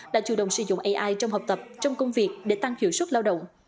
đã chủ động sử dụng ai trong học tập trong công việc để tăng hiệu suất lao động